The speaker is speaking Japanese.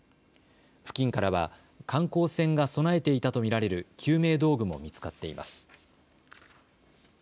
付近からは観光船が備えていたと見られる救命道具も見つかっています。